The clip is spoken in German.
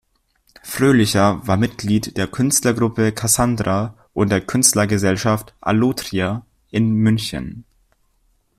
Frölicher war Mitglied der Künstlergruppe Kassandra und der Künstlergesellschaft Allotria in München.